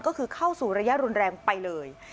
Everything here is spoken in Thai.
ก็คือเข้าสู่ระยะรุนแรงไปเลย